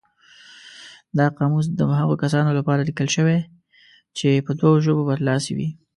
دا قاموس د هغو کسانو لپاره لیکل شوی چې په دوو ژبو برلاسي وي.